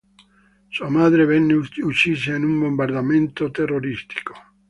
Sua madre venne uccisa in un bombardamento terroristico.